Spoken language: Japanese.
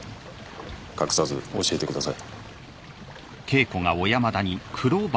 隠さず教えてください